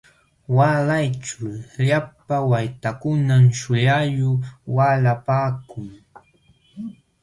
Waalayćhu llapa waytakunam shullayuq waalapaakun.